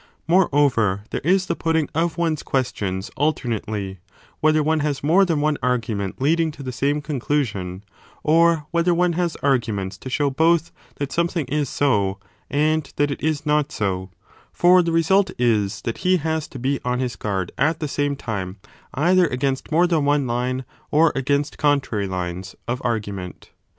Moreover, there is the putting of one s questions alternately, whether one has more than one argument lead ing to the same conclusion, or whether one has arguments 35 to show both that something is so, and that it is not so : for the result is that he has to be on his guard at the same time either against more than one line, or against contrary lines, of argument.